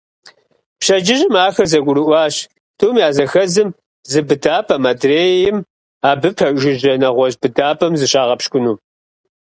Пщэдджыжьым ахэр зэгурыӀуащ тӀум я зыхэзым зы быдапӀэм, адрейм абы пэжыжьэ нэгъуэщӀ быдапӀэм зыщагъэпщкӀуну.